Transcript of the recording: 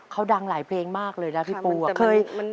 เขาดังหลายเพลงมากเลยนะพี่ปูอะ